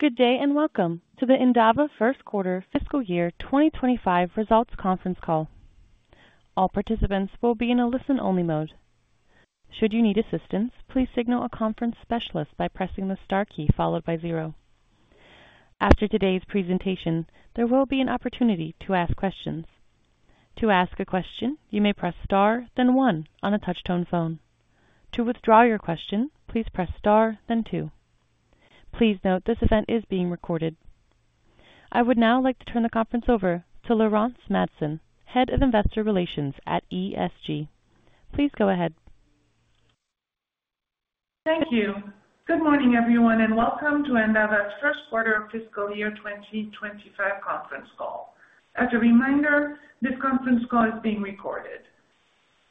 Good day and welcome to the Endava First Quarter Fiscal Year 2025 Results Conference Call. All participants will be in a listen-only mode. Should you need assistance, please signal a conference specialist by pressing the star key followed by zero. After today's presentation, there will be anopportunity to ask questions. To ask a question, you may press star, then one on a touch-tone phone. To withdraw your question, please press star, then two. Please note this event is being recorded. I would now like to turn the conference over to Laurence Madsen, Head of Investor Relations and ESG. Please go ahead. Thank you. Good morning, everyone, and welcome to Endava's First Quarter of Fiscal Year 2025 Conference Call. As a reminder, this conference call is being recorded.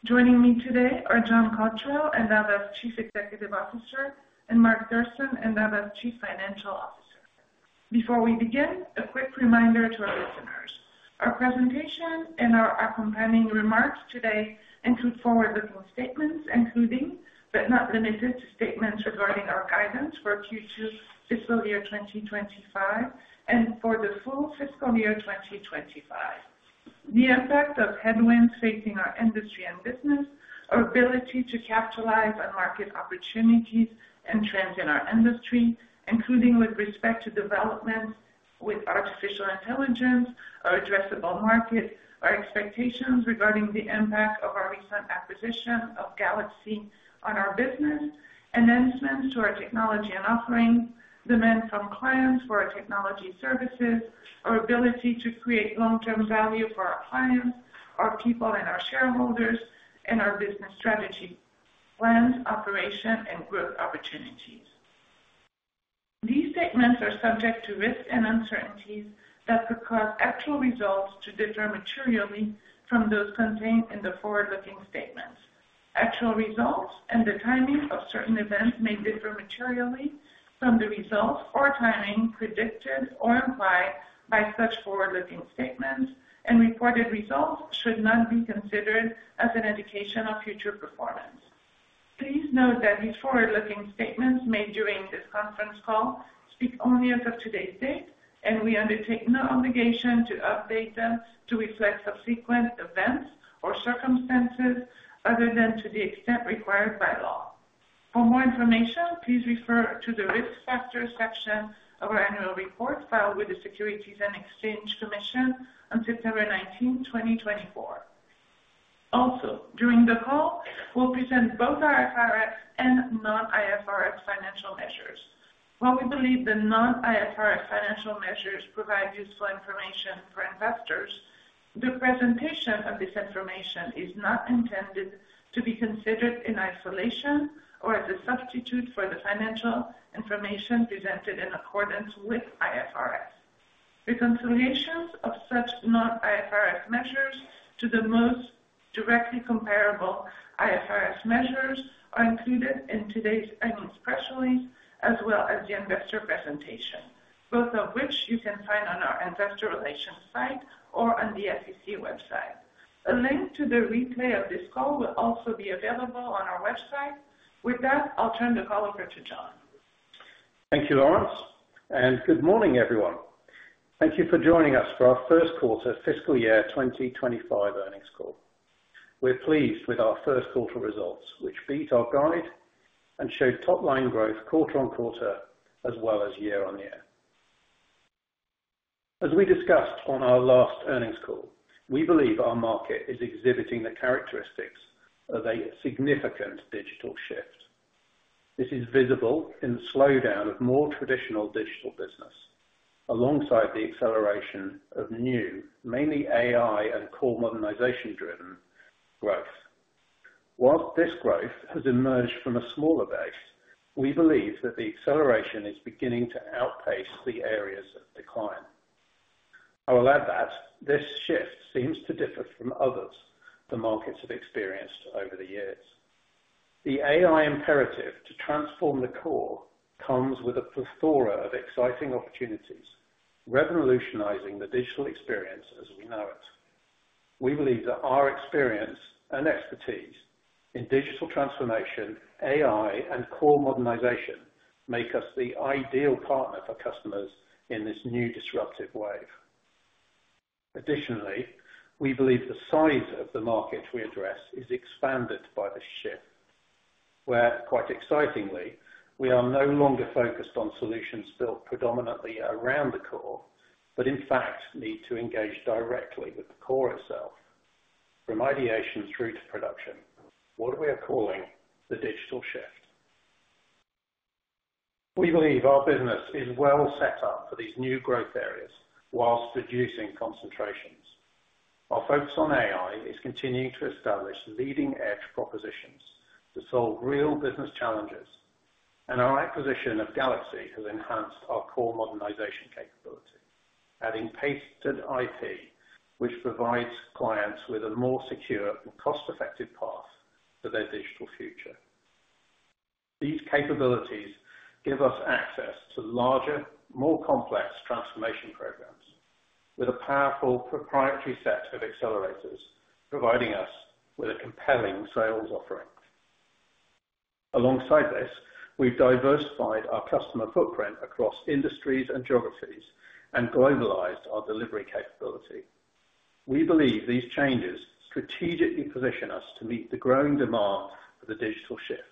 Joining me today are John Cotterell, Endava's Chief Executive Officer, and Mark Thurston, Endava's Chief Financial Officer. Before we begin, a quick reminder to our listeners. Our presentation and our accompanying remarks today include forward-looking statements, including, but not limited to, statements regarding our guidance for Q2 Fiscal Year 2025 and for the full Fiscal Year 2025, the impact of headwinds facing our industry and business, our ability to capitalize on market opportunities and trends in our industry, including with respect to developments with artificial intelligence, our addressable market, our expectations regarding the impact of our recent acquisition of GalaxE on our business, enhancements to our technology and offerings, demand from clients for our technology services, our ability to create long-term value for our clients, our people, and our shareholders, and our business strategy, plans, operation, and growth opportunities. These statements are subject to risks and uncertainties that could cause actual results to differ materially from those contained in the forward-looking statements. Actual results and the timing of certain events may differ materially from the results or timing predicted or implied by such forward-looking statements, and reported results should not be considered as an indication of future performance. Please note that these forward-looking statements made during this conference call speak only as of today's date, and we undertake no obligation to update them to reflect subsequent events or circumstances other than to the extent required by law. For more information, please refer to the risk factor section of our annual report filed with the U.S. Securities and Exchange Commission on September 19, 2024. Also, during the call, we'll present both our IFRS and non-IFRS financial measures. While we believe the non-IFRS financial measures provide useful information for investors, the presentation of this information is not intended to be considered in isolation or as a substitute for the financial information presented in accordance with IFRS. Reconciliations of such non-IFRS measures to the most directly comparable IFRS measures are included in today's earnings press release as well as the investor presentation, both of which you can find on our investor relations site or on the SEC website. A link to the replay of this call will also be available on our website. With that, I'll turn the call over to John. Thank you, Laurence, and good morning, everyone. Thank you for joining us for our First Quarter Fiscal Year 2025 earnings call. We're pleased with our first quarter results, which beat our guide and showed top-line growth quarter on quarter as well as year on year. As we discussed on our last earnings call, we believe our market is exhibiting the characteristics of a significant digital shift. This is visible in the slowdown of more traditional digital business alongside the acceleration of new, mainly AI and core modernization-driven growth. While this growth has emerged from a smaller base, we believe that the acceleration is beginning to outpace the areas of decline. I'll add that this shift seems to differ from others the markets have experienced over the years. The AI imperative to transform the core comes with a plethora of exciting opportunities, revolutionizing the digital experience as we know it. We believe that our experience and expertise in digital transformation, AI, and core modernization make us the ideal partner for customers in this new disruptive wave. Additionally, we believe the size of the market we address is expanded by the shift, where, quite excitingly, we are no longer focused on solutions built predominantly around the core, but in fact need to engage directly with the core itself, from ideation through to production. What are we calling the digital shift? We believe our business is well set up for these new growth areas whilst reducing concentrations. Our focus on AI is continuing to establish leading-edge propositions to solve real business challenges, and our acquisition of GalaxE has enhanced our core modernization capability, adding patented IP, which provides clients with a more secure and cost-effective path for their digital future. These capabilities give us access to larger, more complex transformation programs with a powerful proprietary set of accelerators, providing us with a compelling sales offering. Alongside this, we've diversified our customer footprint across industries and geographies and globalized our delivery capability. We believe these changes strategically position us to meet the growing demand for the digital shift.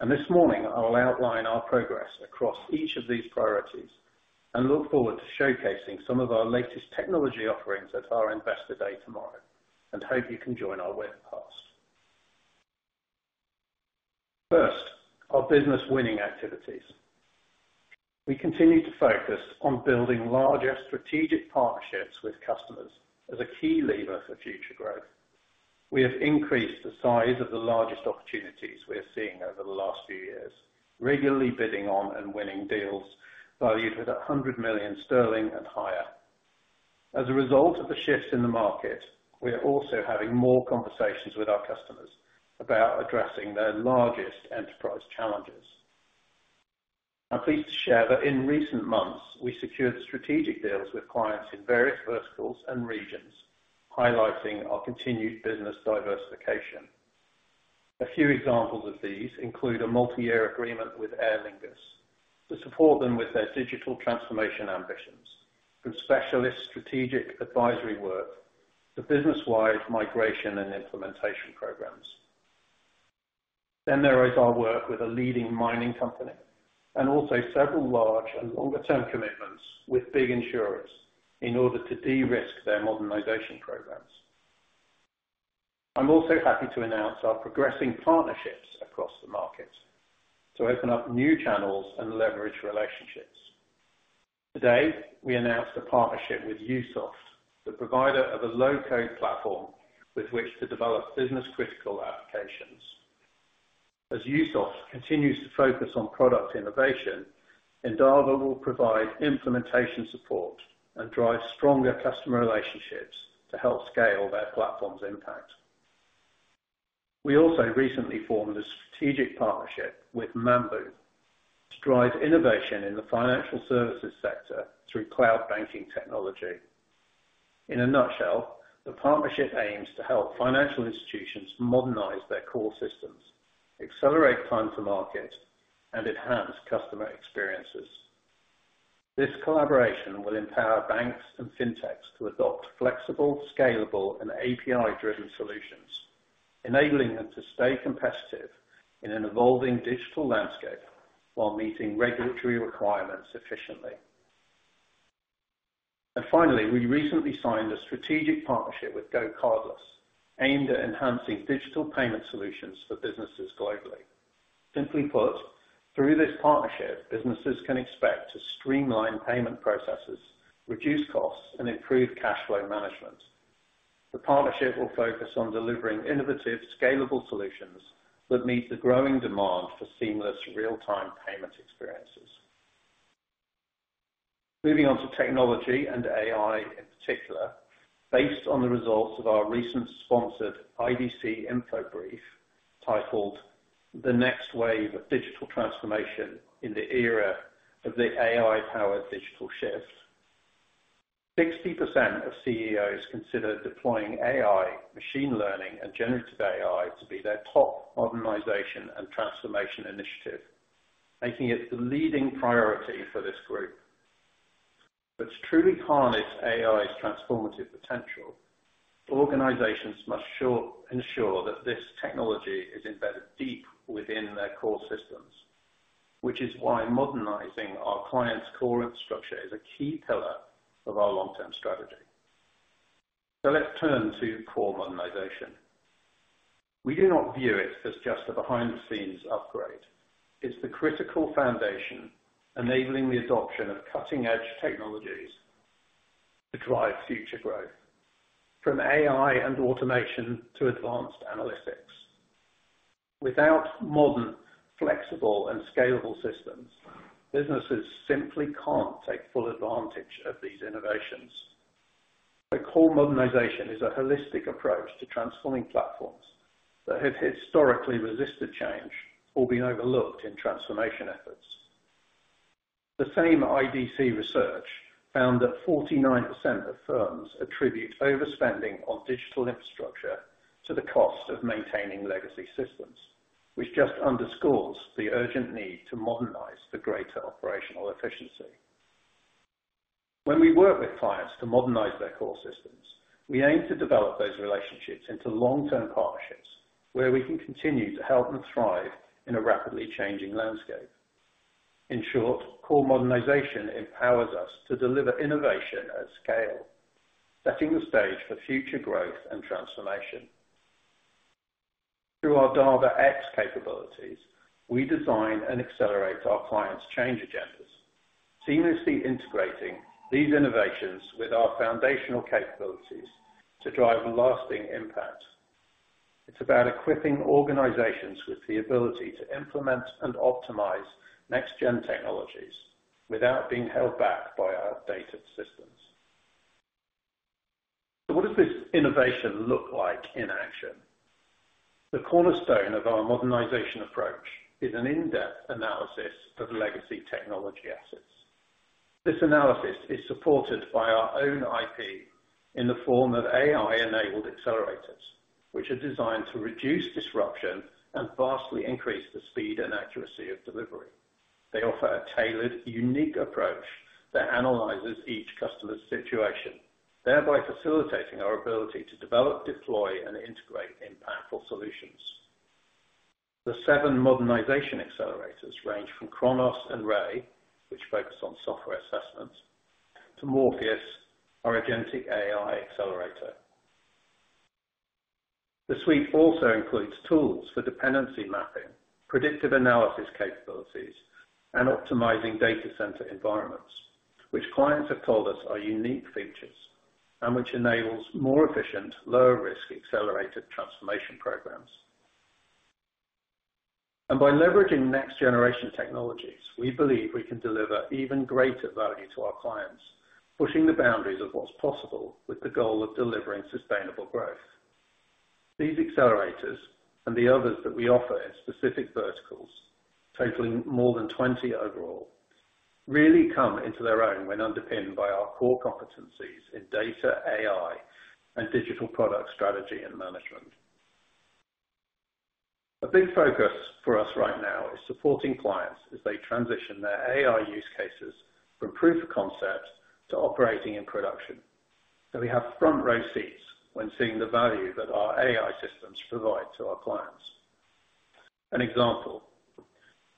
And this morning, I'll outline our progress across each of these priorities and look forward to showcasing some of our latest technology offerings at our investor day tomorrow and hope you can join our webcast. First, our business-winning activities. We continue to focus on building larger strategic partnerships with customers as a key lever for future growth. We have increased the size of the largest opportunities we are seeing over the last few years, regularly bidding on and winning deals valued with 100 million sterling and higher. As a result of the shifts in the market, we are also having more conversations with our customers about addressing their largest enterprise challenges. I'm pleased to share that in recent months, we secured strategic deals with clients in various verticals and regions, highlighting our continued business diversification. A few examples of these include a multi-year agreement with Aer Lingus to support them with their digital transformation ambitions, from specialist strategic advisory work to business-wide migration and implementation programs. Then there is our work with a leading mining company and also several large and longer-term commitments with big insurers in order to de-risk their modernization programs. I'm also happy to announce our progressing partnerships across the market to open up new channels and leverage relationships. Today, we announced a partnership with USoft, the provider of a low-code platform with which to develop business-critical applications. As USoft continues to focus on product innovation, Endava will provide implementation support and drive stronger customer relationships to help scale their platform's impact. We also recently formed a strategic partnership with Mambu to drive innovation in the financial services sector through cloud banking technology. In a nutshell, the partnership aims to help financial institutions modernize their core systems, accelerate time to market, and enhance customer experiences. This collaboration will empower banks and fintechs to adopt flexible, scalable, and API-driven solutions, enabling them to stay competitive in an evolving digital landscape while meeting regulatory requirements efficiently. And finally, we recently signed a strategic partnership with GoCardless aimed at enhancing digital payment solutions for businesses globally. Simply put, through this partnership, businesses can expect to streamline payment processes, reduce costs, and improve cash flow management. The partnership will focus on delivering innovative, scalable solutions that meet the growing demand for seamless, real-time payment experiences. Moving on to technology and AI in particular, based on the results of our recent sponsored IDC InfoBrief titled "The Next Wave of Digital Transformation in the Era of the AI-Powered Digital Shift," 60% of CEOs consider deploying AI, machine learning, and generative AI to be their top modernization and transformation initiative, making it the leading priority for this group. But to truly harness AI's transformative potential, organizations must ensure that this technology is embedded deep within their core systems, which is why modernizing our clients' core infrastructure is a key pillar of our long-term strategy. So let's turn to core modernization. We do not view it as just a behind-the-scenes upgrade. It's the critical foundation enabling the adoption of cutting-edge technologies to drive future growth, from AI and automation to advanced analytics. Without modern, flexible, and scalable systems, businesses simply can't take full advantage of these innovations. So core modernization is a holistic approach to transforming platforms that have historically resisted change or been overlooked in transformation efforts. The same IDC research found that 49% of firms attribute overspending on digital infrastructure to the cost of maintaining legacy systems, which just underscores the urgent need to modernize for greater operational efficiency. When we work with clients to modernize their core systems, we aim to develop those relationships into long-term partnerships where we can continue to help them thrive in a rapidly changing landscape. In short, core modernization empowers us to deliver innovation at scale, setting the stage for future growth and transformation. Through our Dava.X capabilities, we design and accelerate our clients' change agendas, seamlessly integrating these innovations with our foundational capabilities to drive lasting impact. It's about equipping organizations with the ability to implement and optimize next-gen technologies without being held back by our data systems. So what does this innovation look like in action? The cornerstone of our modernization approach is an in-depth analysis of legacy technology assets. This analysis is supported by our own IP in the form of AI-enabled accelerators, which are designed to reduce disruption and vastly increase the speed and accuracy of delivery. They offer a tailored, unique approach that analyzes each customer's situation, thereby facilitating our ability to develop, deploy, and integrate impactful solutions. The seven modernization accelerators range from Chronos and Ray, which focus on software assessments, to Morpheus, our agentic AI accelerator. The suite also includes tools for dependency mapping, predictive analysis capabilities, and optimizing data center environments, which clients have told us are unique features and which enables more efficient, lower-risk accelerated transformation programs. And by leveraging next-generation technologies, we believe we can deliver even greater value to our clients, pushing the boundaries of what's possible with the goal of delivering sustainable growth. These accelerators and the others that we offer in specific verticals, totaling more than 20 overall, really come into their own when underpinned by our core competencies in data, AI, and digital product strategy and management. A big focus for us right now is supporting clients as they transition their AI use cases from proof of concept to operating in production. So we have front-row seats when seeing the value that our AI systems provide to our clients. An example: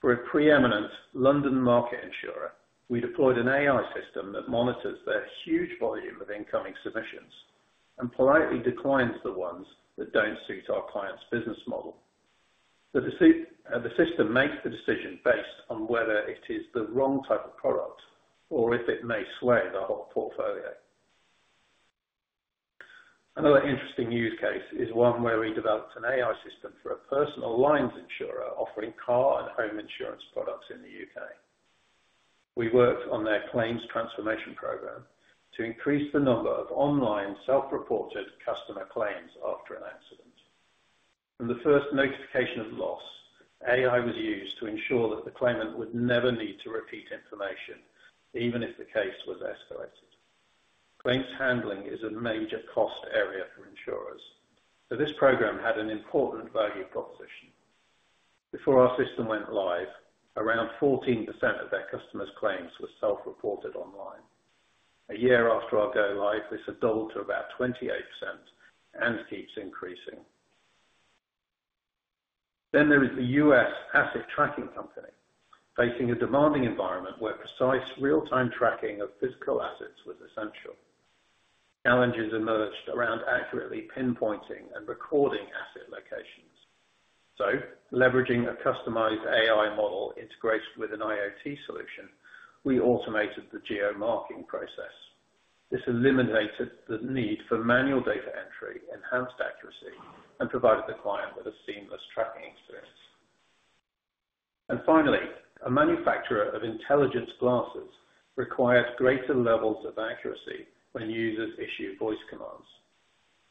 for a preeminent London market insurer, we deployed an AI system that monitors their huge volume of incoming submissions and politely declines the ones that don't suit our client's business model. The system makes the decision based on whether it is the wrong type of product or if it may sway the whole portfolio. Another interesting use case is one where we developed an AI system for a personal lines insurer offering car and home insurance products in the U.K. We worked on their claims transformation program to increase the number of online self-reported customer claims after an accident. From the first notification of loss, AI was used to ensure that the claimant would never need to repeat information, even if the case was escalated. Claims handling is a major cost area for insurers, so this program had an important value proposition. Before our system went live, around 14% of their customers' claims were self-reported online. A year after our go live, this had doubled to about 28% and keeps increasing. Then there is the U.S. asset tracking company, facing a demanding environment where precise, real-time tracking of physical assets was essential. Challenges emerged around accurately pinpointing and recording asset locations. So, leveraging a customized AI model integrated with an IoT solution, we automated the geo-marking process. This eliminated the need for manual data entry, enhanced accuracy, and provided the client with a seamless tracking experience. And finally, a manufacturer of intelligent glasses required greater levels of accuracy when users issue voice commands.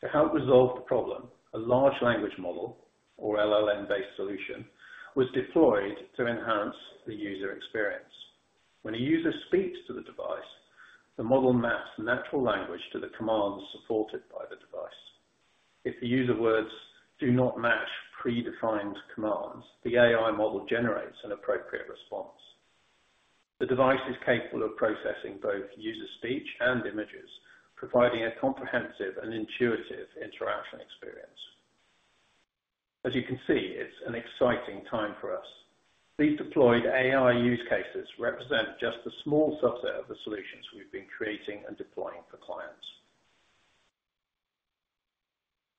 To help resolve the problem, a large language model, or LLM-based solution, was deployed to enhance the user experience. When a user speaks to the device, the model maps natural language to the commands supported by the device. If the user words do not match predefined commands, the AI model generates an appropriate response. The device is capable of processing both user speech and images, providing a comprehensive and intuitive interaction experience. As you can see, it's an exciting time for us. These deployed AI use cases represent just a small subset of the solutions we've been creating and deploying for clients.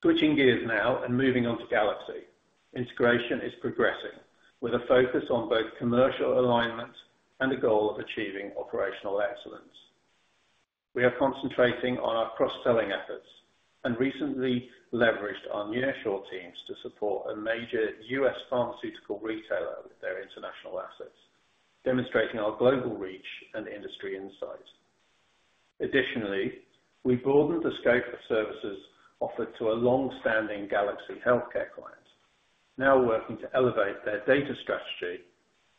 Switching gears now and moving on to GalaxE, integration is progressing with a focus on both commercial alignment and a goal of achieving operational excellence. We are concentrating on our cross-selling efforts and recently leveraged our nearshore teams to support a major U.S. pharmaceutical retailer with their international assets, demonstrating our global reach and industry insight. Additionally, we broadened the scope of services offered to a long-standing GalaxE healthcare client, now working to elevate their data strategy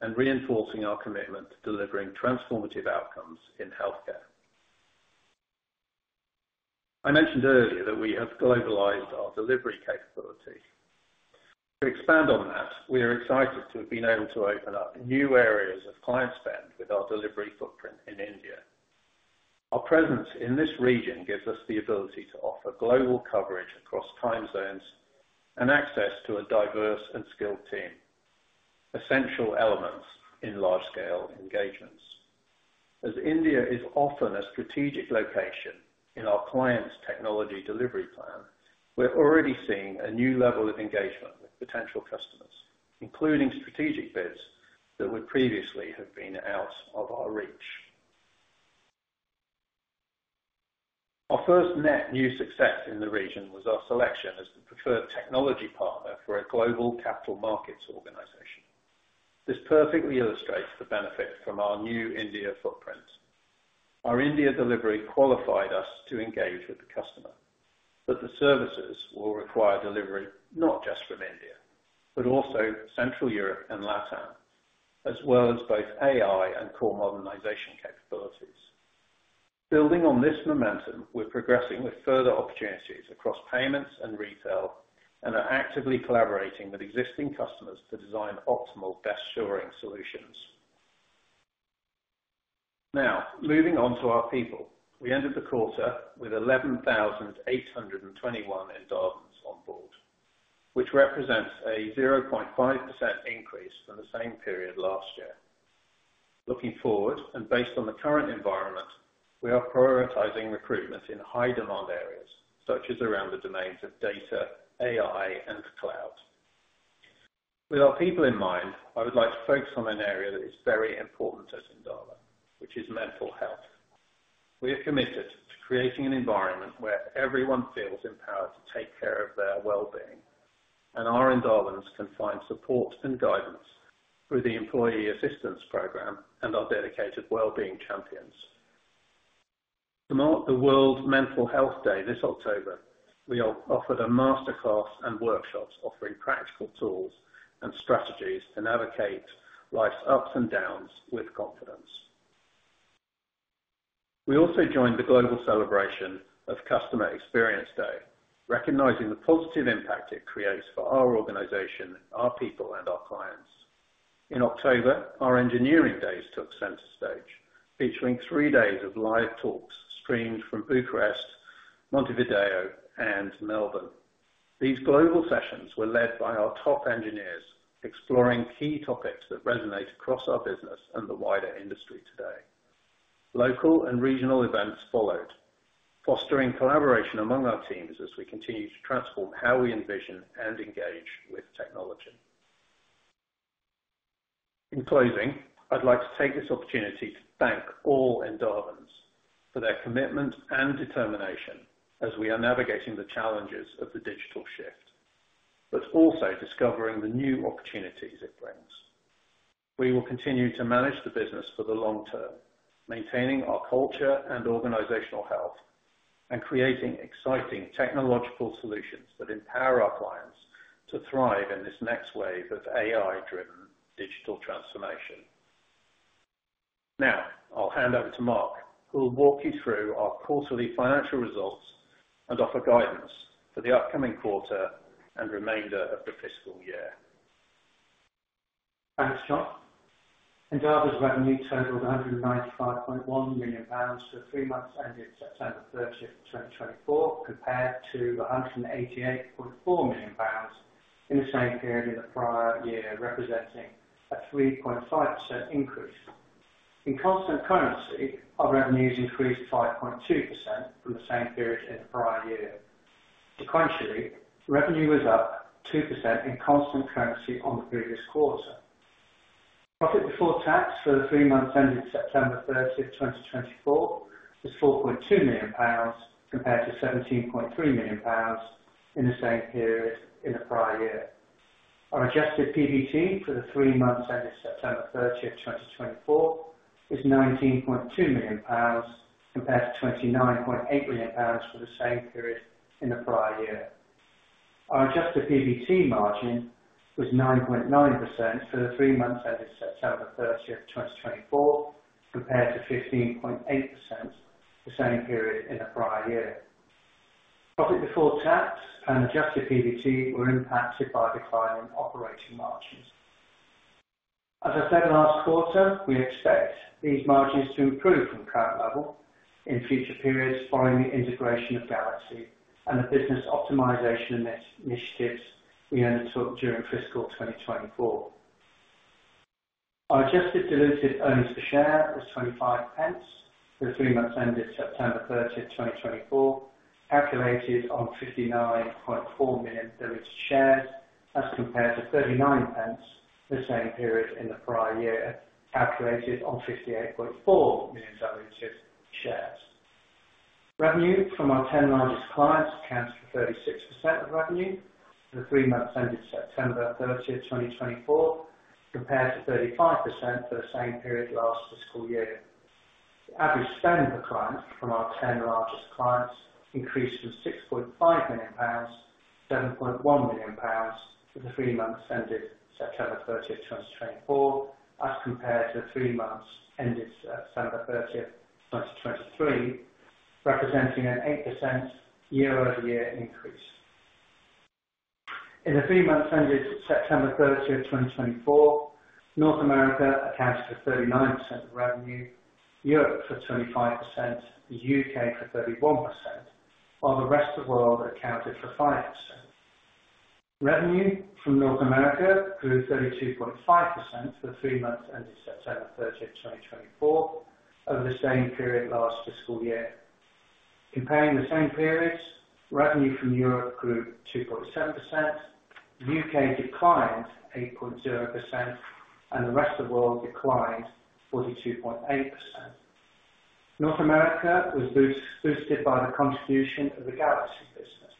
and reinforcing our commitment to delivering transformative outcomes in healthcare. I mentioned earlier that we have globalized our delivery capability. To expand on that, we are excited to have been able to open up new areas of client spend with our delivery footprint in India. Our presence in this region gives us the ability to offer global coverage across time zones and access to a diverse and skilled team, essential elements in large-scale engagements. As India is often a strategic location in our client's technology delivery plan, we're already seeing a new level of engagement with potential customers, including strategic bids that would previously have been out of our reach. Our first net new success in the region was our selection as the preferred technology partner for a global capital markets organization. This perfectly illustrates the benefit from our new India footprint. Our India delivery qualified us to engage with the customer, but the services will require delivery not just from India, but also Central Europe and LatAm, as well as both AI and core modernization capabilities. Building on this momentum, we're progressing with further opportunities across payments and retail and are actively collaborating with existing customers to design optimal best-shoring solutions. Now, moving on to our people, we ended the quarter with 11,821 Endavans on board, which represents a 0.5% increase from the same period last year. Looking forward and based on the current environment, we are prioritizing recruitment in high-demand areas, such as around the domains of data, AI, and cloud. With our people in mind, I would like to focus on an area that is very important at Endava, which is mental health. We are committed to creating an environment where everyone feels empowered to take care of their well-being, and our Endavans can find support and guidance through the Employee Assistance Program and our dedicated well-being champions. To mark the World Mental Health Day this October, we offered a masterclass and workshops offering practical tools and strategies to navigate life's ups and downs with confidence. We also joined the global celebration of Customer Experience Day, recognizing the positive impact it creates for our organization, our people, and our clients. In October, our Engineering Days took center stage, featuring three days of live talks streamed from Bucharest, Montevideo, and Melbourne. These global sessions were led by our top engineers, exploring key topics that resonate across our business and the wider industry today. Local and regional events followed, fostering collaboration among our teams as we continue to transform how we envision and engage with technology. In closing, I'd like to take this opportunity to thank all Endavans for their commitment and determination as we are navigating the challenges of the digital shift, but also discovering the new opportunities it brings. We will continue to manage the business for the long term, maintaining our culture and organizational health, and creating exciting technological solutions that empower our clients to thrive in this next wave of AI-driven digital transformation. Now, I'll hand over to Mark, who will walk you through our quarterly financial results and offer guidance for the upcoming quarter and remainder of the fiscal year. Thanks, John. Endava's revenue totaled 195.1 million pounds for three months ending September 30th, 2024, compared to 188.4 million pounds in the same period in the prior year, representing a 3.5% increase. In constant currency, our revenues increased 5.2% from the same period in the prior year. Sequentially, revenue was up 2% in constant currency on the previous quarter. Profit before tax for the three months ending September 30th, 2024, is 4.2 million pounds compared to 17.3 million pounds in the same period in the prior year. Our adjusted PBT for the three months ending September 30th, 2024, is 19.2 million pounds compared to 29.8 million pounds for the same period in the prior year. Our adjusted PBT margin was 9.9% for the three months ending September 30th, 2024, compared to 15.8% for the same period in the prior year. Profit before tax and adjusted PBT were impacted by declining operating margins. As I said last quarter, we expect these margins to improve from current level in future periods following the integration of GalaxE and the business optimization initiatives we undertook during fiscal 2024. Our adjusted diluted earnings per share was 0.25 for the three months ending September 30th, 2024, calculated on 59.4 million diluted shares, as compared to 0.39 for the same period in the prior year, calculated on 58.4 million diluted shares. Revenue from our 10 largest clients accounts for 36% of revenue for the three months ending September 30th, 2024, compared to 35% for the same period last fiscal year. Average spend per client from our 10 largest clients increased from 6.5 million pounds to 7.1 million pounds for the three months ending September 30th, 2024, as compared to the three months ending September 30th, 2023, representing an 8% year-over-year increase. In the three months ending September 30th, 2024, North America accounted for 39% of revenue, Europe for 25%, the U.K. for 31%, while the rest of the world accounted for 5%. Revenue from North America grew 32.5% for the three months ending September 30th, 2024, over the same period last fiscal year. Comparing the same periods, revenue from Europe grew 2.7%, the U.K. declined 8.0%, and the rest of the world declined 42.8%. North America was boosted by the contribution of the GalaxE business,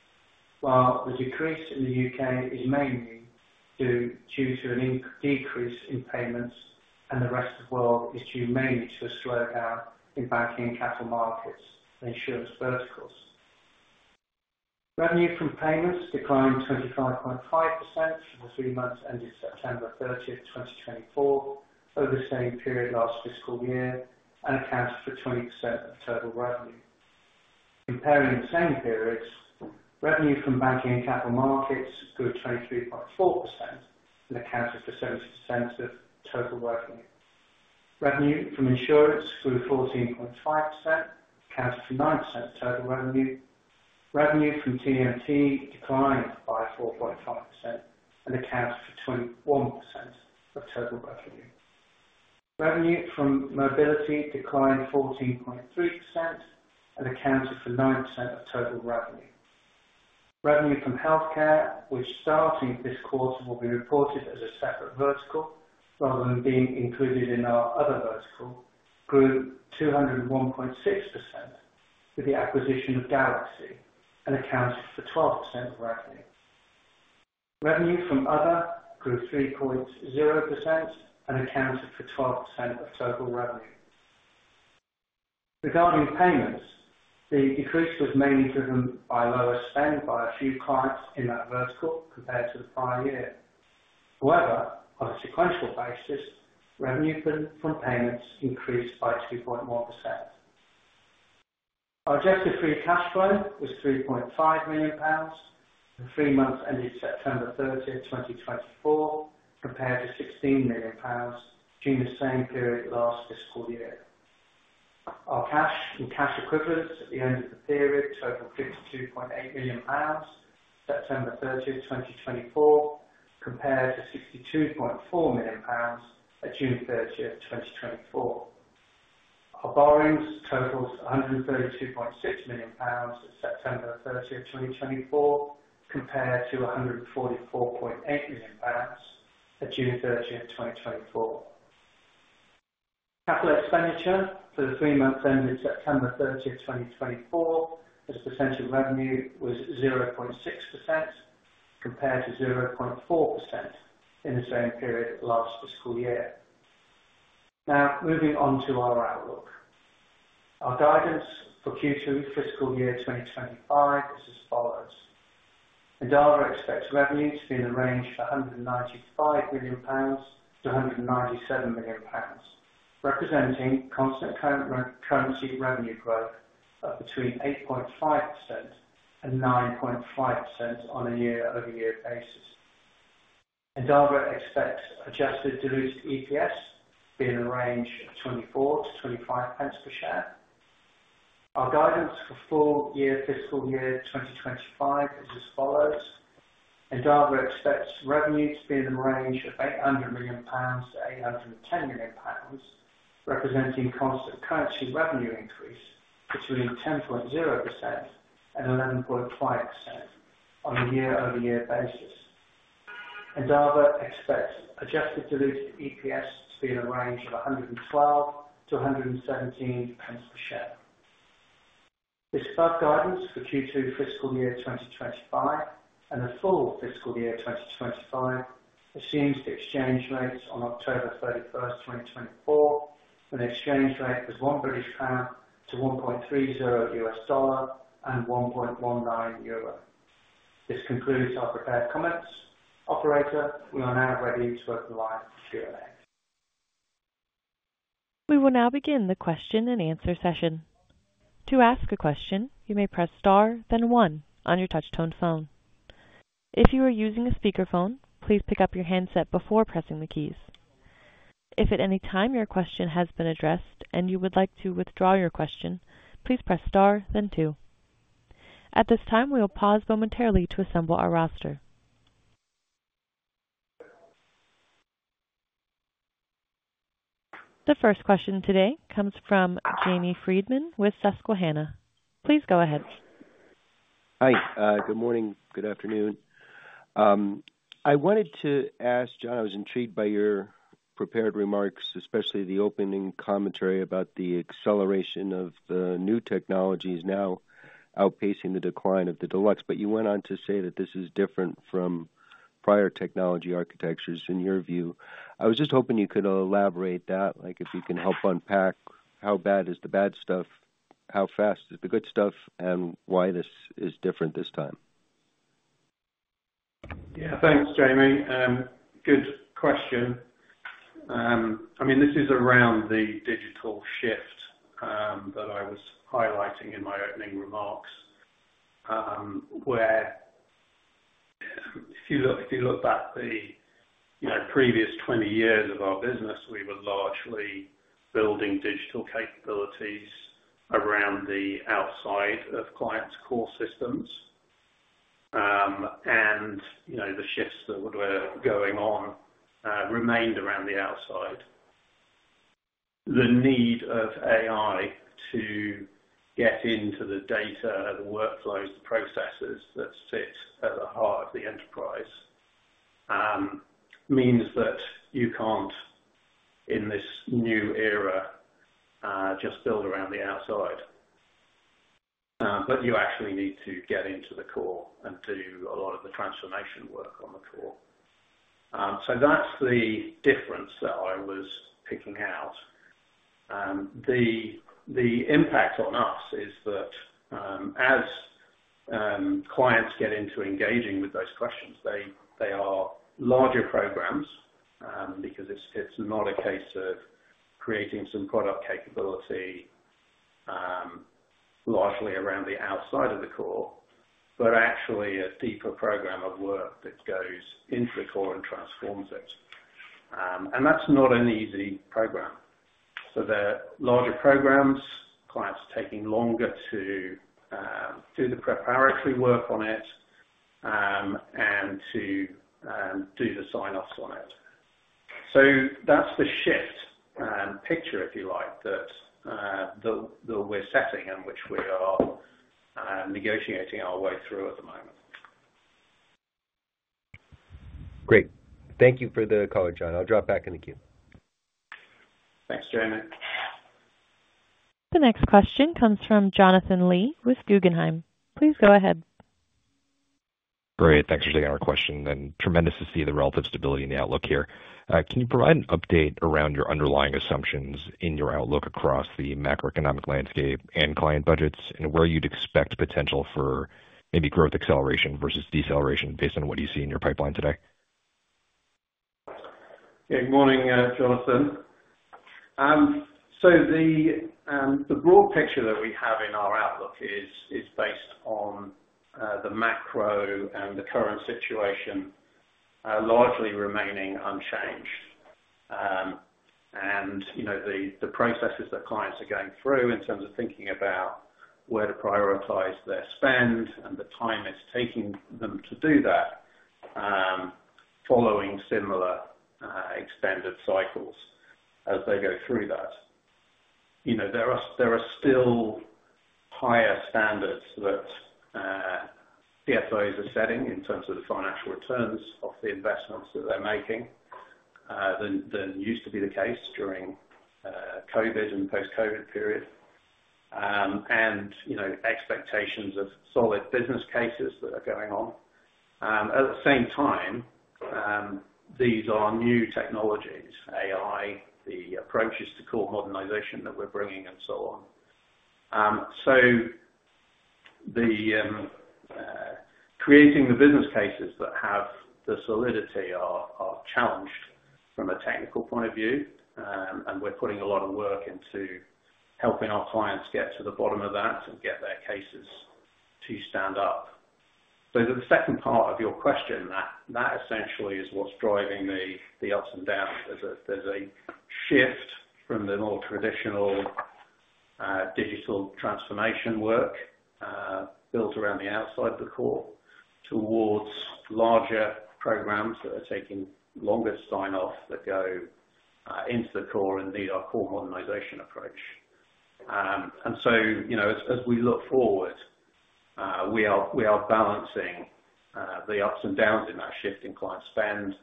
while the decrease in the U.K. is mainly due to a decrease in payments, and the rest of the world is due mainly to a slowdown in banking and capital markets and insurance verticals. Revenue from payments declined 25.5% for the three months ending September 30th, 2024, over the same period last fiscal year, and accounts for 20% of total revenue. Comparing the same periods, revenue from banking and capital markets grew 23.4% and accounted for 70% of total revenue. Revenue from insurance grew 14.5%, accounted for 9% of total revenue. Revenue from TMT declined by 4.5% and accounted for 21% of total revenue. Revenue from mobility declined 14.3% and accounted for 9% of total revenue. Revenue from healthcare, which starting this quarter will be reported as a separate vertical rather than being included in our other vertical, grew 201.6% with the acquisition of GalaxE and accounted for 12% of revenue. Revenue from other grew 3.0% and accounted for 12% of total revenue. Regarding payments, the decrease was mainly driven by lower spend by a few clients in that vertical compared to the prior year. However, on a sequential basis, revenue from payments increased by 2.1%. Our adjusted free cash flow was 3.5 million pounds for the three months ending September 30, 2024, compared to 16 million pounds during the same period last fiscal year. Our cash and cash equivalents at the end of the period totaled 52.8 million pounds September 30th, 2024, compared to 62.4 million pounds at June 30th, 2024. Our borrowings totaled 132.6 million pounds September 30th, 2024, compared to 144.8 million pounds at June 30th, 2024. Capital expenditure for the three months ending September 30th, 2024, as percent of revenue, was 0.6% compared to 0.4% in the same period last fiscal year. Now, moving on to our outlook. Our guidance for Q2 fiscal year 2025 is as follows. Endava expects revenue to be in the range of 195 million-197 million pounds, representing constant current currency revenue growth of between 8.5% and 9.5% on a year-over-year basis. Endava expects adjusted diluted EPS to be in the range of GBP 0.24-GBP 0.25 per share. Our guidance for full year fiscal year 2025 is as follows. Endava expects revenue to be in the range of GBP 800 million-GBP 810 million, representing constant currency revenue increase between 10.0% and 11.5% on a year-over-year basis. Endava expects adjusted diluted EPS to be in the range of 112-117 per share. The above guidance for Q2 fiscal year 2025 and the full fiscal year 2025 assumes the exchange rates on October 31, 2024, when the exchange rate was 1 British pound to $1.30 and €1.19. This concludes our prepared comments. Operator, we are now ready to open the line for Q&A. We will now begin the question-and-answer session. To ask a question, you may press star, then one on your touch-tone phone. If you are using a speakerphone, please pick up your handset before pressing the keys. If at any time your question has been addressed and you would like to withdraw your question, please press star, then two. At this time, we will pause momentarily to assemble our roster. The first question today comes from Jamie Friedman with Susquehanna. Please go ahead. Hi. Good morning. Good afternoon. I wanted to ask John. I was intrigued by your prepared remarks, especially the opening commentary about the acceleration of the new technologies now outpacing the decline of the legacy. But you went on to say that this is different from prior technology architectures in your view. I was just hoping you could elaborate that, like if you can help unpack how bad is the bad stuff, how fast is the good stuff, and why this is different this time. Yeah. Thanks, Jamie. Good question. I mean, this is around the digital shift that I was highlighting in my opening remarks, where if you look back the previous 20 years of our business, we were largely building digital capabilities around the outside of clients' core systems. And the shifts that were going on remained around the outside. The need of AI to get into the data, the workflows, the processes that sit at the heart of the enterprise means that you can't, in this new era, just build around the outside. But you actually need to get into the core and do a lot of the transformation work on the core. So that's the difference that I was picking out. The impact on us is that as clients get into engaging with those questions, they are larger programs because it's not a case of creating some product capability largely around the outside of the core, but actually a deeper program of work that goes into the core and transforms it, and that's not an easy program, so they're larger programs. Clients are taking longer to do the preparatory work on it and to do the sign-offs on it, so that's the shift picture, if you like, that we're setting and which we are negotiating our way through at the moment. Great. Thank you for the call, John. I'll drop back in the queue. Thanks, Jamie. The next question comes from Jonathan Lee with Guggenheim. Please go ahead. Great. Thanks for taking our question. And tremendous to see the relative stability in the outlook here. Can you provide an update around your underlying assumptions in your outlook across the macroeconomic landscape and client budgets and where you'd expect potential for maybe growth acceleration versus deceleration based on what you see in your pipeline today? Yeah. Good morning, Jonathan. So the broad picture that we have in our outlook is based on the macro and the current situation largely remaining unchanged. And the processes that clients are going through in terms of thinking about where to prioritize their spend and the time it's taking them to do that, following similar extended cycles as they go through that. There are still higher standards that CFOs are setting in terms of the financial returns of the investments that they're making than used to be the case during the COVID and post-COVID period and expectations of solid business cases that are going on. At the same time, these are new technologies, AI, the approaches to core modernization that we're bringing, and so on. So creating the business cases that have the solidity are challenged from a technical point of view. And we're putting a lot of work into helping our clients get to the bottom of that and get their cases to stand up. So the second part of your question, that essentially is what's driving the ups and downs. There's a shift from the more traditional digital transformation work built around the outside of the core towards larger programs that are taking longer sign-offs that go into the core and need our core modernization approach. And so as we look forward, we are balancing the ups and downs in that shift in client spend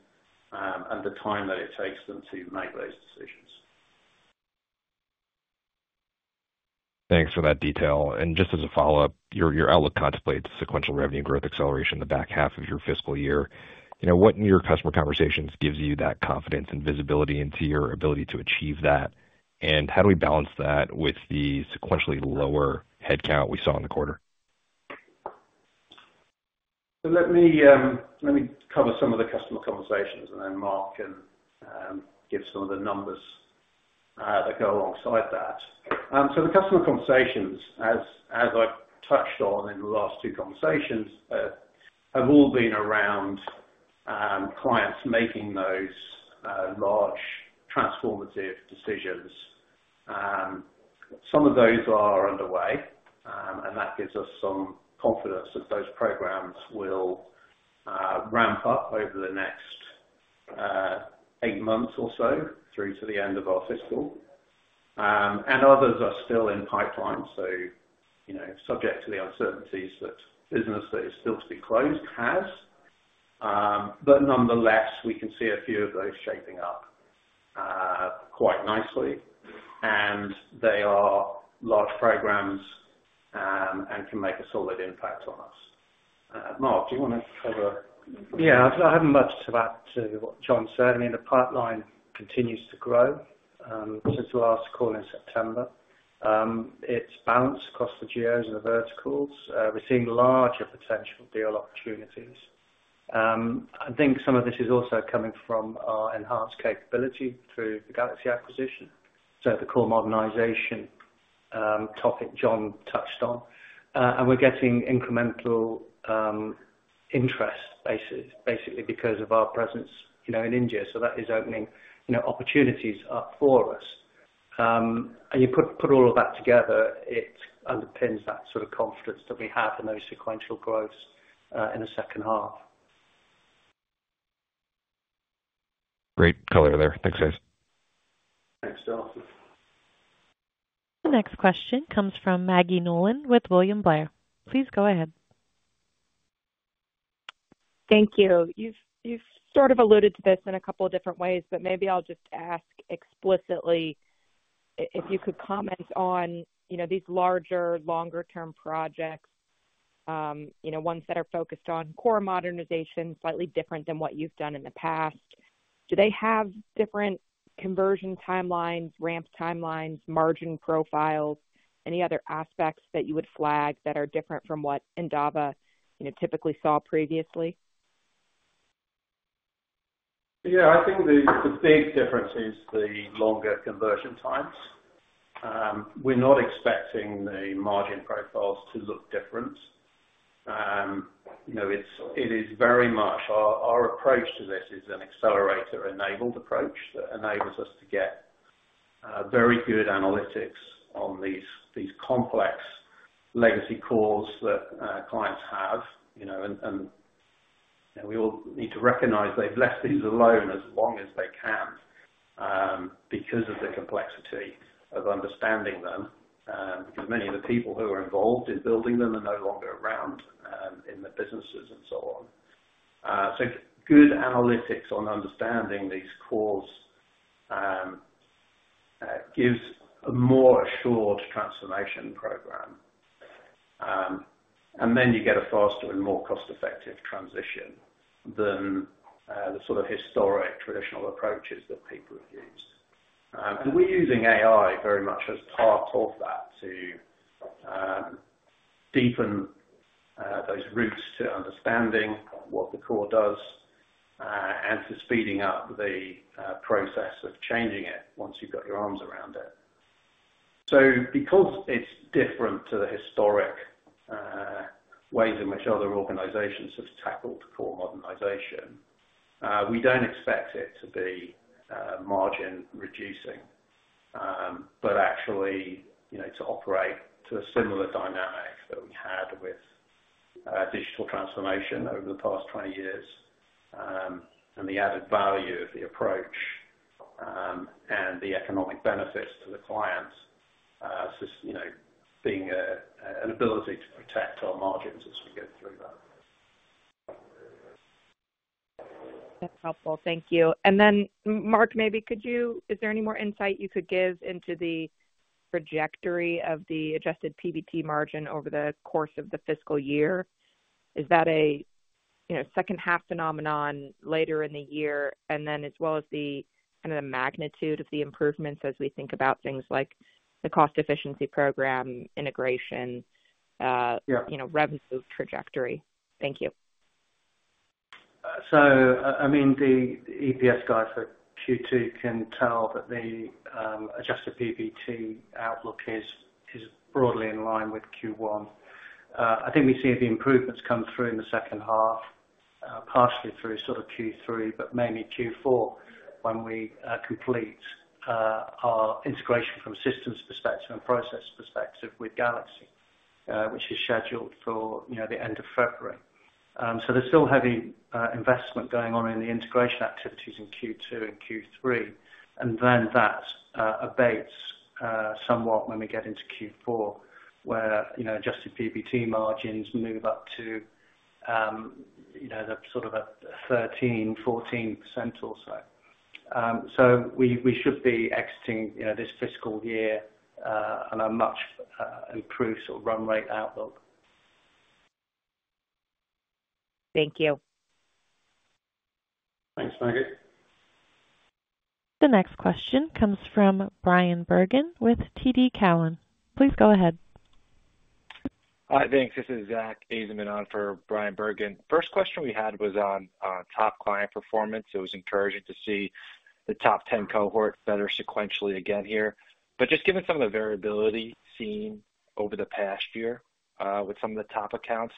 and the time that it takes them to make those decisions. Thanks for that detail. And just as a follow-up, your outlook contemplates sequential revenue growth acceleration in the back half of your fiscal year. What in your customer conversations gives you that confidence and visibility into your ability to achieve that? And how do we balance that with the sequentially lower headcount we saw in the quarter? Let me cover some of the customer conversations and then Mark can give some of the numbers that go alongside that. So the customer conversations, as I touched on in the last two conversations, have all been around clients making those large transformative decisions. Some of those are underway, and that gives us some confidence that those programs will ramp up over the next eight months or so through to the end of our fiscal. And others are still in the pipeline, so subject to the uncertainties that business that is still to be closed has. But nonetheless, we can see a few of those shaping up quite nicely. And they are large programs and can make a solid impact on us. Mark, do you want to cover? Yeah. I haven't much to add to what John said. I mean, the pipeline continues to grow since last call in September. It's balanced across the geos and the verticals. We're seeing larger potential deal opportunities. I think some of this is also coming from our enhanced capability through the GalaxE acquisition, so the core modernization topic John touched on. And we're getting incremental interest basically because of our presence in India. So that is opening opportunities up for us. And you put all of that together, it underpins that sort of confidence that we have in those sequential growths in the second half. Great color there. Thanks, guys. Thanks, Jonathan. The next question comes from Maggie Nolan with William Blair. Please go ahead. Thank you. You've sort of alluded to this in a couple of different ways, but maybe I'll just ask explicitly if you could comment on these larger, longer-term projects, ones that are focused on core modernization, slightly different than what you've done in the past. Do they have different conversion timelines, ramp timelines, margin profiles, any other aspects that you would flag that are different from what Endava typically saw previously? Yeah. I think the big difference is the longer conversion times. We're not expecting the margin profiles to look different. It is very much our approach to this is an accelerator-enabled approach that enables us to get very good analytics on these complex legacy cores that clients have. And we all need to recognize they've left these alone as long as they can because of the complexity of understanding them, because many of the people who are involved in building them are no longer around in the businesses and so on. So good analytics on understanding these cores gives a more assured transformation program. And then you get a faster and more cost-effective transition than the sort of historic traditional approaches that people have used. And we're using AI very much as part of that to deepen those roots to understanding what the core does and to speeding up the process of changing it once you've got your arms around it. So because it's different to the historic ways in which other organizations have tackled core modernization, we don't expect it to be margin-reducing, but actually to operate to a similar dynamic that we had with digital transformation over the past 20 years and the added value of the approach and the economic benefits to the clients being an ability to protect our margins as we go through that. That's helpful. Thank you. And then, Mark, is there any more insight you could give into the trajectory of the adjusted PBT margin over the course of the fiscal year? Is that a second-half phenomenon later in the year? And then as well as the kind of magnitude of the improvements as we think about things like the cost-efficiency program integration, revenue trajectory? Thank you. So I mean, the EPS guys at Q2 can tell that the adjusted PBT outlook is broadly in line with Q1. I think we see the improvements come through in the second half, partially through sort of Q3, but mainly Q4 when we complete our integration from a systems perspective and process perspective with GalaxE, which is scheduled for the end of February. So there's still heavy investment going on in the integration activities in Q2 and Q3. And then that abates somewhat when we get into Q4, where adjusted PBT margins move up to sort of a 13%-14% or so. So we should be exiting this fiscal year on a much improved sort of run rate outlook. Thank you. Thanks, Maggie. The next question comes from Brian Bergen with TD Cowen. Please go ahead. Hi, thanks. This is Zack Ajzenman on for Brian Bergen. First question we had was on top client performance. It was encouraging to see the top 10 cohorts better sequentially again here. But just given some of the variability seen over the past year with some of the top accounts,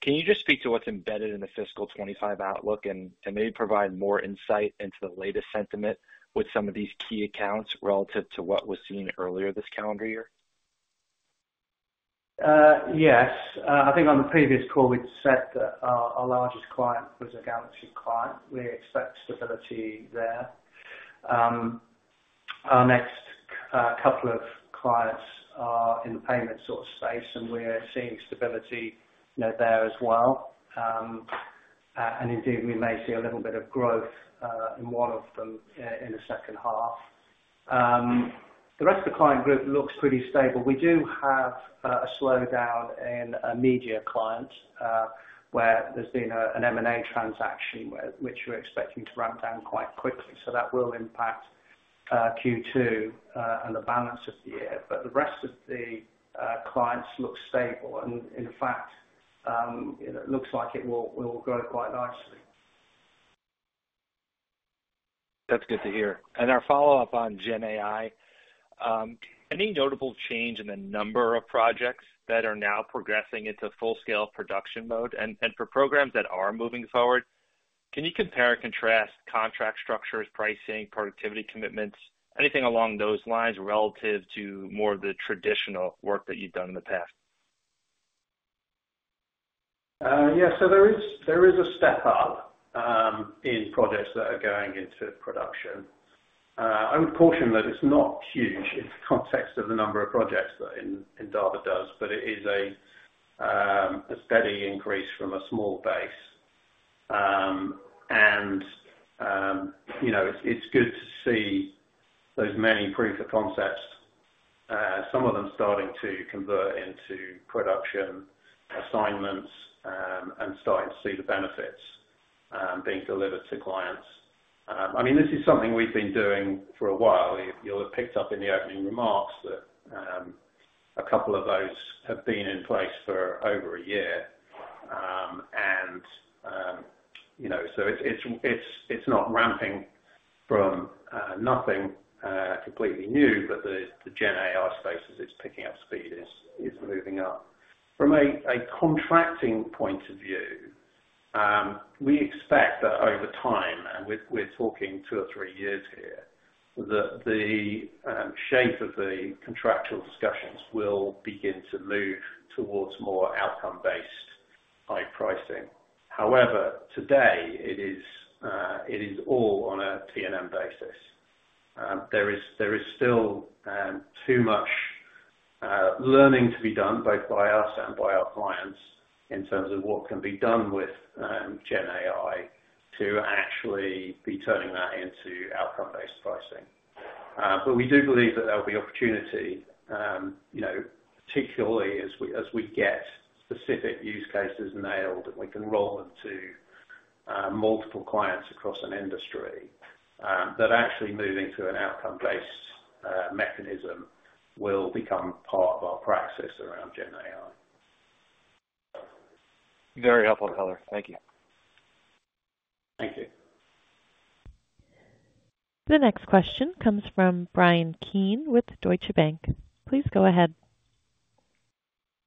can you just speak to what's embedded in the fiscal 2025 outlook and maybe provide more insight into the latest sentiment with some of these key accounts relative to what was seen earlier this calendar year? Yes. I think on the previous call, we'd said that our largest client was a GalaxE client. We expect stability there. Our next couple of clients are in the payment sort of space, and we're seeing stability there as well. And indeed, we may see a little bit of growth in one of them in the second half. The rest of the client group looks pretty stable. We do have a slowdown in a media client where there's been an M&A transaction, which we're expecting to ramp down quite quickly. So that will impact Q2 and the balance of the year. But the rest of the clients look stable. And in fact, it looks like it will grow quite nicely. That's good to hear. And our follow-up on GenAI, any notable change in the number of projects that are now progressing into full-scale production mode? And for programs that are moving forward, can you compare and contrast contract structures, pricing, productivity commitments, anything along those lines relative to more of the traditional work that you've done in the past? Yeah. So there is a step-up in projects that are going into production. I would caution that it's not huge in the context of the number of projects that Endava does, but it is a steady increase from a small base. And it's good to see those many proof of concepts, some of them starting to convert into production assignments and starting to see the benefits being delivered to clients. I mean, this is something we've been doing for a while. You'll have picked up in the opening remarks that a couple of those have been in place for over a year. And so it's not ramping from nothing completely new, but the GenAI space as it's picking up speed is moving up. From a contracting point of view, we expect that over time, and we're talking two or three years here, that the shape of the contractual discussions will begin to move towards more outcome-based-type pricing. However, today, it is all on a T&M basis. There is still too much learning to be done, both by us and by our clients, in terms of what can be done with GenAI to actually be turning that into outcome-based pricing. But we do believe that there'll be opportunity, particularly as we get specific use cases nailed and we can roll them to multiple clients across an industry, that actually moving to an outcome-based mechanism will become part of our practice around GenAI. Very helpful, color. Thank you. Thank you. The next question comes from Bryan Keane with Deutsche Bank. Please go ahead.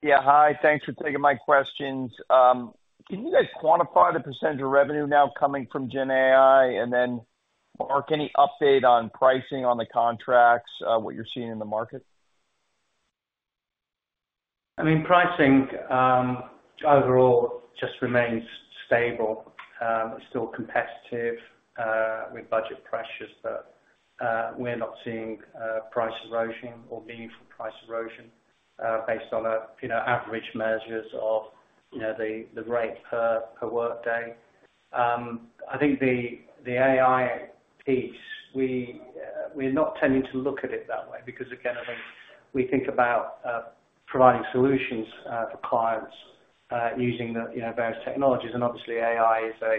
Yeah. Hi. Thanks for taking my questions. Can you guys quantify the percentage of revenue now coming from GenAI? And then, Mark, any update on pricing on the contracts, what you're seeing in the market? I mean, pricing overall just remains stable. It's still competitive with budget pressures, but we're not seeing price erosion or meaningful price erosion based on average measures of the rate per workday. I think the AI piece, we're not tending to look at it that way because, again, I think we think about providing solutions for clients using various technologies. And obviously, AI is a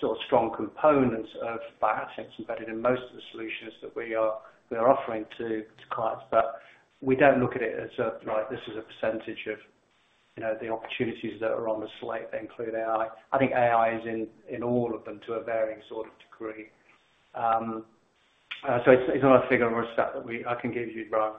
sort of strong component of BioSync embedded in most of the solutions that we are offering to clients. But we don't look at it as like, "This is a percentage of the opportunities that are on the slate that include AI." I think AI is in all of them to a varying sort of degree. So it's not a figure of a step that I can give you, Bryan.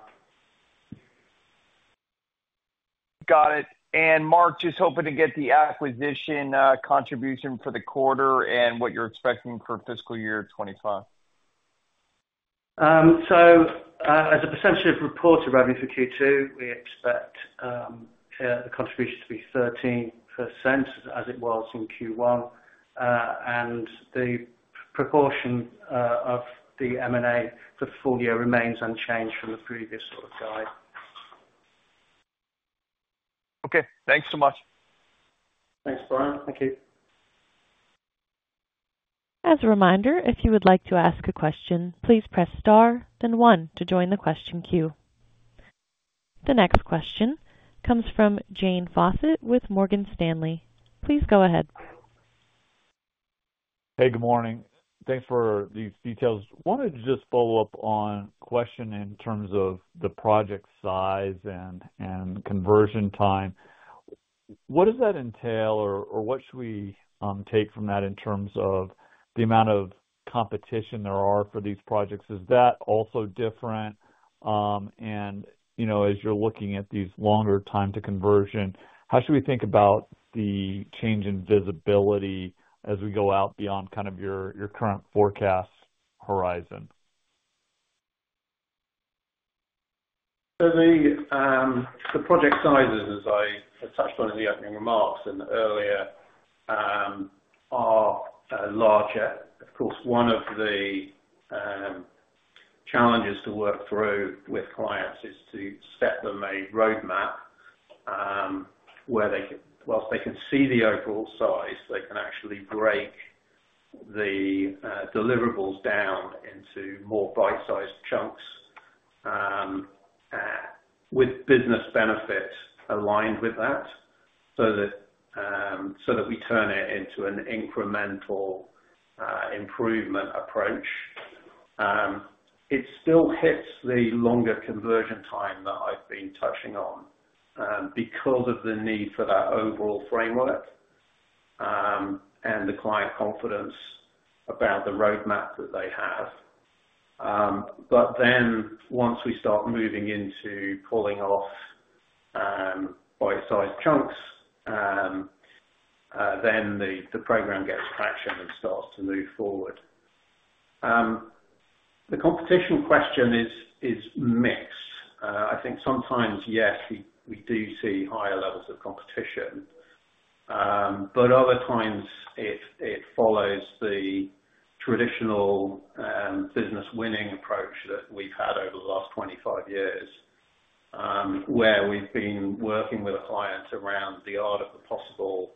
Got it. And Mark, just hoping to get the acquisition contribution for the quarter and what you're expecting for fiscal year 2025. As a percentage of reported revenue for Q2, we expect the contribution to be 13% as it was in Q1. The proportion of the M&A for the full year remains unchanged from the previous sort of guide. Okay. Thanks so much. Thanks, Bryan. Thank you. As a reminder, if you would like to ask a question, please press star, then one to join the question queue. The next question comes from James Faucette with Morgan Stanley. Please go ahead. Hey, good morning. Thanks for these details. Wanted to just follow up on a question in terms of the project size and conversion time. What does that entail, or what should we take from that in terms of the amount of competition there are for these projects? Is that also different, and as you're looking at these longer time to conversion, how should we think about the change in visibility as we go out beyond kind of your current forecast horizon? So the project sizes, as I touched on in the opening remarks and earlier, are larger. Of course, one of the challenges to work through with clients is to set them a roadmap where, whilst they can see the overall size, they can actually break the deliverables down into more bite-sized chunks with business benefits aligned with that so that we turn it into an incremental improvement approach. It still hits the longer conversion time that I've been touching on because of the need for that overall framework and the client confidence about the roadmap that they have. But then once we start moving into pulling off bite-sized chunks, then the program gets traction and starts to move forward. The competition question is mixed. I think sometimes, yes, we do see higher levels of competition. But other times, it follows the traditional business-winning approach that we've had over the last 25 years, where we've been working with a client around the art of the possible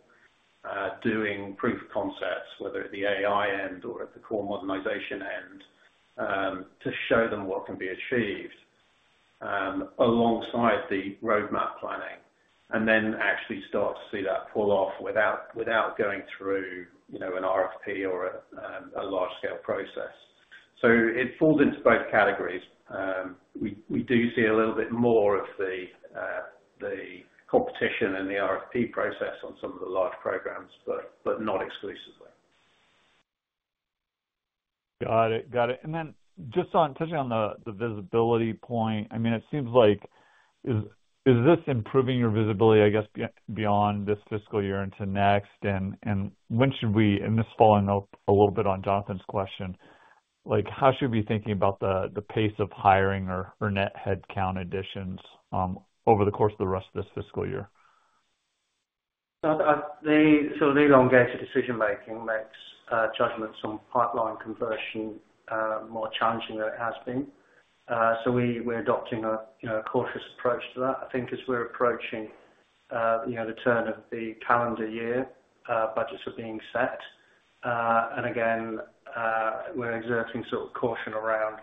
doing proof of concepts, whether at the AI end or at the core modernization end, to show them what can be achieved alongside the roadmap planning, and then actually start to see that pull off without going through an RFP or a large-scale process. So it falls into both categories. We do see a little bit more of the competition and the RFP process on some of the large programs, but not exclusively. Got it. Got it. And then just touching on the visibility point, I mean, it seems like is this improving your visibility, I guess, beyond this fiscal year into next? And when should we (and this falling a little bit on Jonathan's question) how should we be thinking about the pace of hiring or net headcount additions over the course of the rest of this fiscal year? So the longer lead-time decision-making makes judgments on pipeline conversion more challenging than it has been. So we're adopting a cautious approach to that. I think as we're approaching the turn of the calendar year, budgets are being set. And again, we're exerting sort of caution around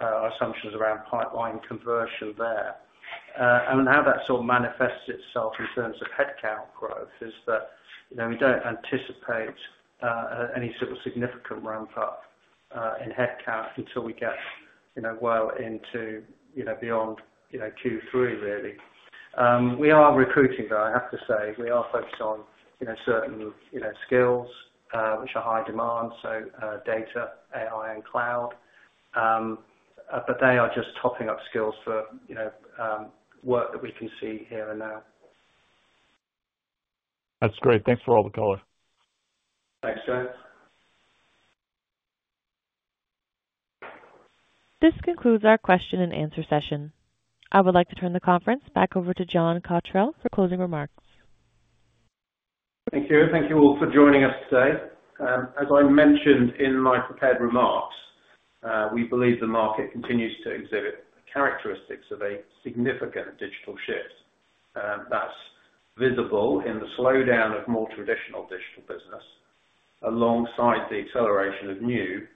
our assumptions around pipeline conversion there. And how that sort of manifests itself in terms of headcount growth is that we don't anticipate any sort of significant ramp-up in headcount until we get well into beyond Q3, really. We are recruiting, though, I have to say. We are focused on certain skills, which are high demand, so data, AI, and cloud. But they are just topping up skills for work that we can see here and now. That's great. Thanks for all the color. Thanks, James. This concludes our question-and-answer session. I would like to turn the conference back over to John Cotterell for closing remarks. Thank you. Thank you all for joining us today. As I mentioned in my prepared remarks, we believe the market continues to exhibit the characteristics of a significant digital shift. That's visible in the slowdown of more traditional digital business alongside the acceleration of new,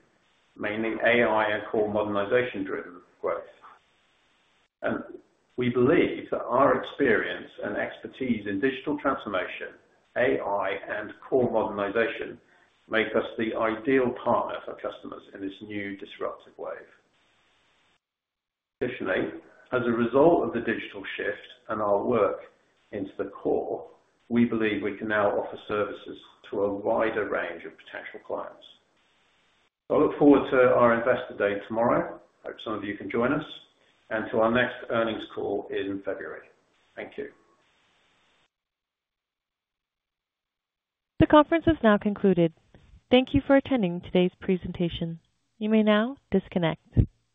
mainly AI and core modernization-driven growth. And we believe that our experience and expertise in digital transformation, AI, and core modernization make us the ideal partner for customers in this new disruptive wave. Additionally, as a result of the digital shift and our work into the core, we believe we can now offer services to a wider range of potential clients. I look forward to our investor day tomorrow. I hope some of you can join us and to our next earnings call in February. Thank you. The conference has now concluded. Thank you for attending today's presentation. You may now disconnect.